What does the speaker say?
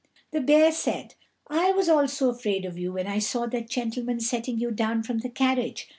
The bear said, "I was also afraid of you when I saw that gentleman setting you down from the carriage.